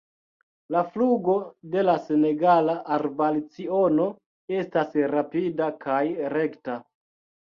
La flugo de la Senegala arbalciono estas rapida kaj rekta.